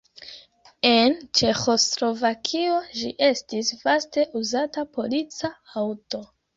En Ĉeĥoslovakio ĝi estis vaste uzata polica aŭto.